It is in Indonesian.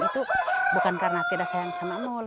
itu bukan karena tidak sayang sama mul